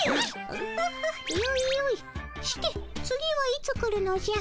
して次はいつ来るのじゃ？